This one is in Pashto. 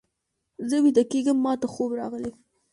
زه ویده کېږم، ماته خوب راغلی.